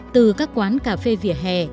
từ các quán cà phê vỉa hè